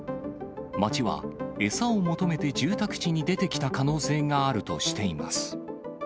町は、餌を求めて住宅地に出てきた可能性があるとしています。